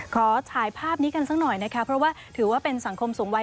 ขอถ่ายภาพนี้กันสักหน่อยนะคะเพราะว่าถือว่าเป็นสังคมสูงวัย